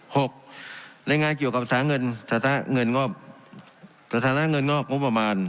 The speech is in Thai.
หกรายงานเกี่ยวกับศาสตร์เงินเงินงอบศาสตร์ธนาเงินงอกงบมาน